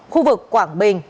khu vực quảng bình